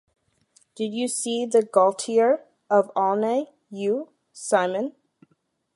Did you see the Gaultier of Aulnay, you, Simon?